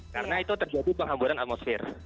karena itu terjadi penghamburan atmosfer